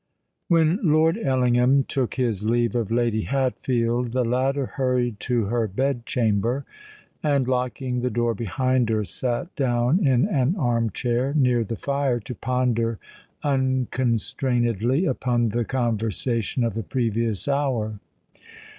When Lord Ellingham took his leave of Lady Hatfield, the latter hurried to her bed chamber; and, locking the door behind her, sate down in an arm chair near the fire to ponder unconstrainedly upon the conversation of the previous hour.